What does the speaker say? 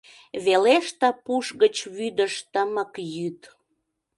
Велеш ты пуш гыч вӱдыш тымык йӱд.